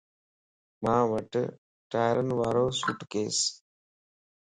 مان وٽ ٽائرين وارو سوٽ ڪيس